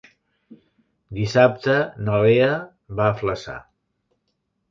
Dissabte na Lea va a Flaçà.